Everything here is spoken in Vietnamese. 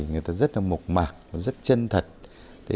người ta rất là mộc mạc rất chân thật